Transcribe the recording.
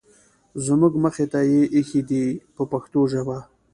زموږ مخې ته یې اېښي دي په پښتو ژبه.